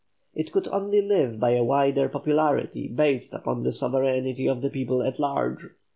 It could only live by a wider popularity based upon the sovereignty of the people at large.